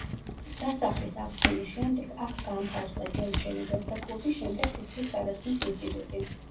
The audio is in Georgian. სასახლის აღდგენის შემდეგ აქ განთავსდა ჯერ მშენებელთა კლუბი, შემდეგ სისხლის გადასხმის ინსტიტუტი.